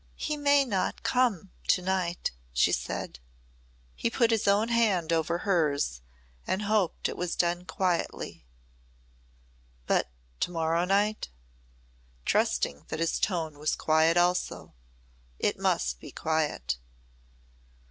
"He may not come to night," she said. He put his own hand over hers and hoped it was done quietly. "But to morrow night?" trusting that his tone was quiet also. It must be quiet.